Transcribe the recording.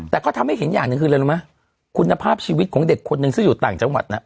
แต่ก็ทำให้เห็นอย่างหนึ่งคืออะไรรู้ไหมคุณภาพชีวิตของเด็กคนนึงซึ่งอยู่ต่างจังหวัดน่ะ